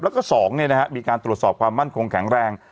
แล้วก็๒มีการตรวจสอบความมั่นคงแข็งแรง